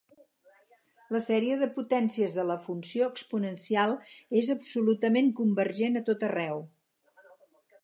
La sèrie de potències de la funció exponencial és absolutament convergent a tot arreu.